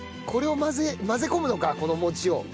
これを混ぜ込むのかこの餅を。